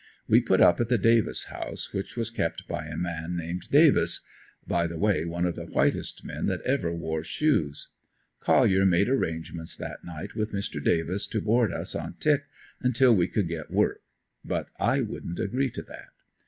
We put up at the Davis House, which was kept by a man named Davis by the way one of the whitest men that ever wore shoes. Collier made arrangements that night with Mr. Davis to board us on "tick" until we could get work. But I wouldn't agree to that.